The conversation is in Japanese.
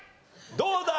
どうだ？